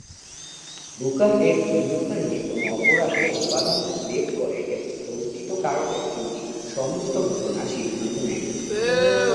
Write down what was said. Booker এর ভিন্নতা নিয়ে কোন অপরাধে উপাদান লেট করে এবং দণ্ডিত কারণের জুরি সমস্ত ঘটনা সিদ্ধান্ত নেয়।